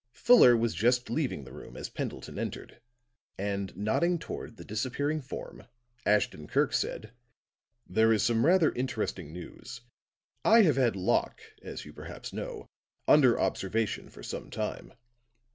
Fuller was just leaving the room as Pendleton entered, and nodding toward the disappearing form, Ashton Kirk said: "There is some rather interesting news. I have had Locke, as you perhaps know, under observation for some time.